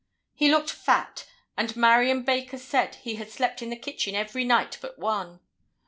He looked fat, and Marion Baker said he had slept in the kitchen every night but one.